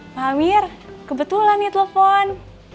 pamir kebetulan nih telepon